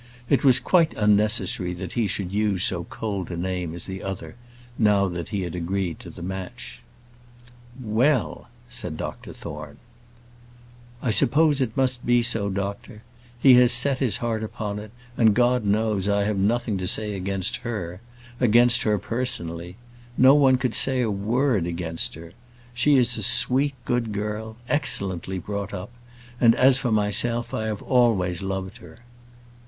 It was quite unnecessary that he should use so cold a name as the other, now that he had agreed to the match. "Well!" said Dr Thorne. "I suppose it must be so, doctor. He has set his heart upon it, and God knows, I have nothing to say against her against her personally. No one could say a word against her. She is a sweet, good girl, excellently brought up; and, as for myself, I have always loved her."